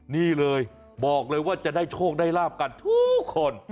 นี่เลยบอกเลยว่าจะได้โชคได้ลาบกันทุกคน